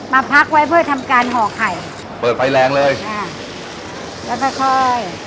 มาพักไว้เพื่อทำการห่อไข่เปิดไฟแรงเลยค่ะแล้วค่อยค่อย